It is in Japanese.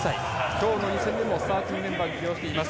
今日の２戦目もスターティングメンバーに起用しています。